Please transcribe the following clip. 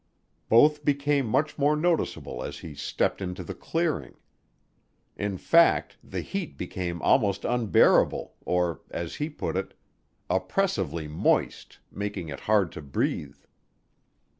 Both became much more noticeable as he stepped into the clearing. In fact, the heat became almost unbearable or, as he put it, "oppressively moist, making it hard to breathe."